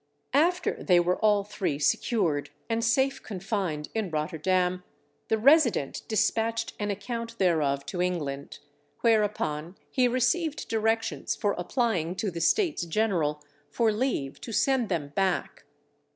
After they were all three secured, and safe confined in Rotterdam, the resident dispatched an account thereof to England; whereupon he received directions for applying to the States General for leave to send them back.